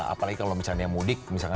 apalagi kalau misalnya mudik